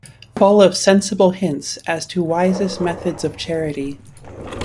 Full of sensible hints as to wisest methods of charity.